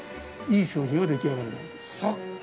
そっか。